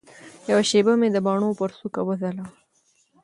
یوه شېبه مي د باڼو پر څوکه وځلوه